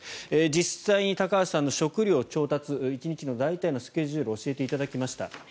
実際に高橋さんの食料調達１日の大体のスケジュールを教えていただきました。